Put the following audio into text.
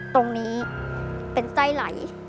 ตรงนี้เป็นไส้ไหล